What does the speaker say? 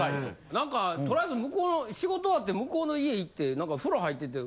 何かとりあえず仕事終わって向こうの家行って何か風呂入ってて。